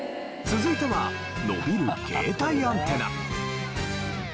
続いては伸びる携帯アンテナ。